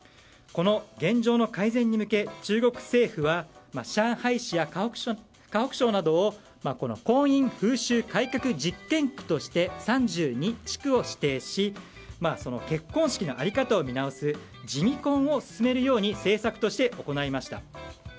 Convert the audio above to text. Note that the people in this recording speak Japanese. この現状の改善に向け中国政府は上海市や河北省などを婚姻風習改革実験区として３２地区を指定し結婚式の在り方を見直すジミ婚を進めるように政策として行いました。